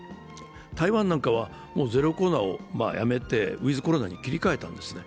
台湾なんかは、ゼロコロナをやめてウィズ・コロナに切り替えたんですね。